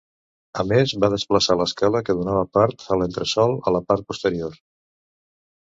A més va desplaçar l'escala que donava part a l'entresòl a la part posterior.